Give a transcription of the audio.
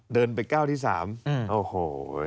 เดินไปก้าวที่๓โอ้โห